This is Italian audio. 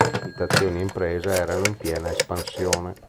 Abitazioni e imprese erano in piena espansione.